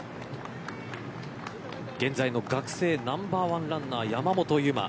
現在の学生ナンバーワンランナー山本有真。